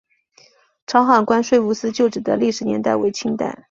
潮海关税务司旧址的历史年代为清代。